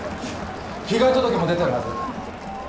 被害届も出てるはず。